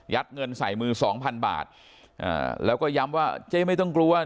เงินใส่มือสองพันบาทอ่าแล้วก็ย้ำว่าเจ๊ไม่ต้องกลัว